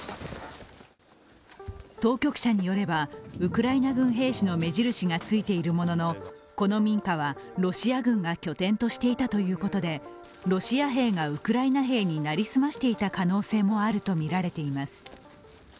当局者によれば、ウクライナ軍兵士の目印がついているものの、この民家はロシア軍が拠点としていたということでロシア兵がウクライナ兵に成り済ましていた可能性もあるとみられています。